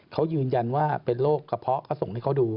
เขายืนยันว่าเป็นโรคกระเพาะเขาส่งให้เขาดู